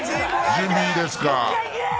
準備いいですか。